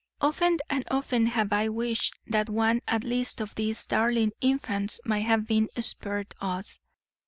Often and often have I wished that one at least of these darling infants might have been spared us.